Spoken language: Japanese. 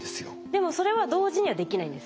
でもそれは同時にはできないんですもんね。